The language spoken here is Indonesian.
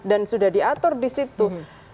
dan sudah diatur di situ